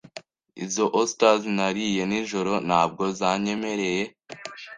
Izo osters nariye nijoro ntabwo zanyemereye.